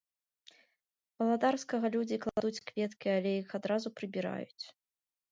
Валадарскага людзі кладуць кветкі, але іх адразу прыбіраюць.